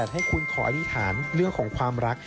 ให้คุณขออธิษฐานเรื่องของความรัก